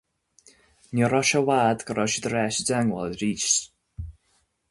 Ní raibh sé i bhfad go raibh siad ar ais i dteagmháil arís.